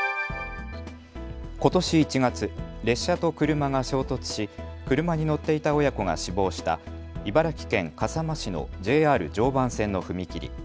ことし１月、列車と車が衝突し車に乗っていた親子が死亡した茨城県笠間市のＪＲ常磐線の踏切。